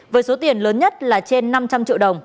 với số tiền lớn nhất là trên năm trăm linh triệu đồng